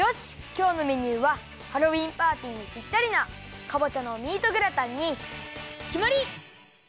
きょうのメニューはハロウィーンパーティーにぴったりなかぼちゃのミートグラタンにきまり！